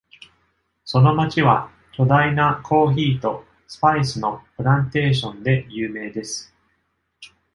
その町は巨大なコーヒーとスパイスのプランテーションで有名です。